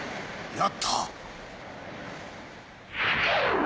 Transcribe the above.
やった！